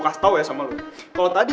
kita liat mau ribut lagi